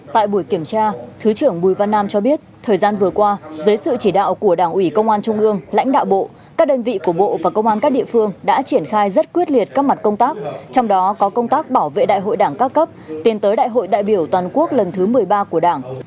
tại buổi kiểm tra thứ trưởng bùi văn nam cho biết thời gian vừa qua dưới sự chỉ đạo của đảng ủy công an trung ương lãnh đạo bộ các đơn vị của bộ và công an các địa phương đã triển khai rất quyết liệt các mặt công tác trong đó có công tác bảo vệ đại hội đảng các cấp tiến tới đại hội đại biểu toàn quốc lần thứ một mươi ba của đảng